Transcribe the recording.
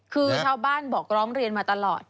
คือชาวบ้านบอกร้องเรียนมาตลอด